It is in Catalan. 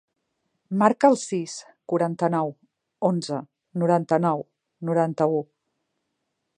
Marca el sis, quaranta-nou, onze, noranta-nou, noranta-u.